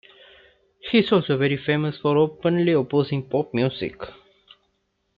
He is also very famous for openly opposing pop music.